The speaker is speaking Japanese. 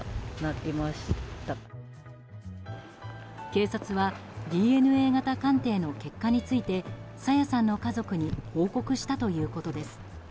警察はＤＮＡ型鑑定の結果について朝芽さんの家族に報告したということです。